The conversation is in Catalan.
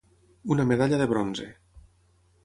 Una medalla de bronze.